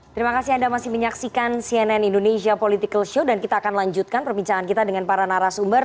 terima kasih anda masih menyaksikan cnn indonesia political show dan kita akan lanjutkan perbincangan kita dengan para narasumber